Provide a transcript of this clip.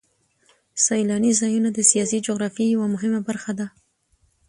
سیلاني ځایونه د سیاسي جغرافیه یوه مهمه برخه ده.